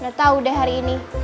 udah tau deh hari ini